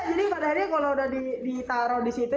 jadi padahalnya kalau udah ditaruh disitu